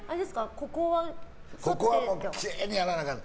ここはきれいにやらなあかん。